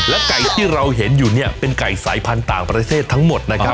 ไก่ที่เราเห็นอยู่เนี่ยเป็นไก่สายพันธุ์ต่างประเทศทั้งหมดนะครับ